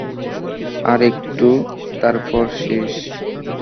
আর একটু, তারপর শেষ।